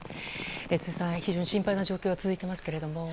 辻さん、非常に心配な状態が続いていますが。